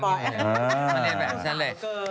มาเรียนแบบฉันเลย